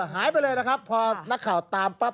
หายไปเลยนะครับพอนักข่าวตามปั๊บ